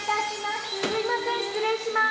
すみません失礼します。